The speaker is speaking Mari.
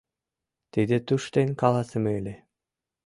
Тиде туштен каласыме ыле.